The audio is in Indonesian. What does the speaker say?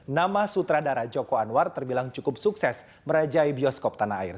nama sutradara joko anwar terbilang cukup sukses merajai bioskop tanah air